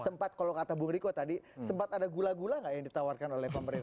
sempat kalau kata bung riko tadi sempat ada gula gula gak yang ditawarkan oleh pemerintah